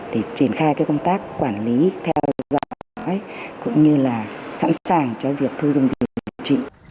để triển khai công tác quản lý theo dõi cũng như sẵn sàng cho việc thu dung việc điều trị